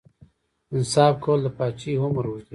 انصاف کول د پاچاهۍ عمر اوږدوي.